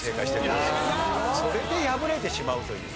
それで敗れてしまうという。